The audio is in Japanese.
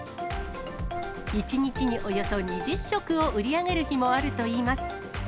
１日におよそ２０食を売り上げる日もあるといいます。